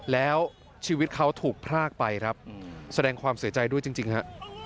แล้วชีวิตเขาถูกพรากไปครับแสดงความเสียใจด้วยจริงฮะ